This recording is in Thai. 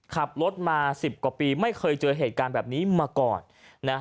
ขับรถมาสิบกว่าปีไม่เคยเจอเหตุการณ์แบบนี้มาก่อนนะ